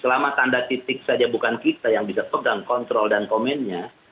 selama tanda titik saja bukan kita yang bisa pegang kontrol dan komennya